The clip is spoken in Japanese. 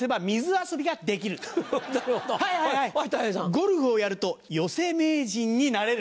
ゴルフをやるとヨセ名人になれる。